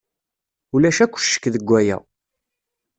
Ulac akk ccek deg waya.